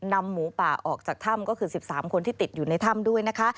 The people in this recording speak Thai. หมูป่าออกจากถ้ำก็คือ๑๓คนที่ติดอยู่ในถ้ำด้วยนะคะ